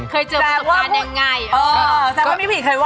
คุณคำถามว่าใช่ไหม